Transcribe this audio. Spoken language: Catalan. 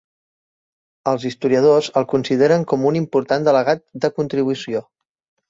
Els historiadors el consideren com un important delegat de contribució.